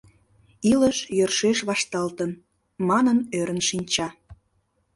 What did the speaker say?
Илыш йӧршеш вашталтын...» манын ӧрын шинча.